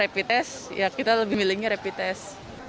pelingnya rapi tes